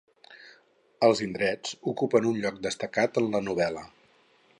Els indrets ocupen un lloc destacat en la novel·la.